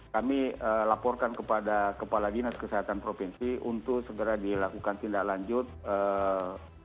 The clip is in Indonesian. kami laporkan kepada kepala dinas kesehatan provinsi untuk segera dilakukan tindak lanjut